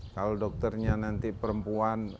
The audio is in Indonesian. kalau dokternya nanti perempuan